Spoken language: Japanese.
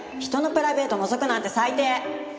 人のプライベートのぞくなんて最低。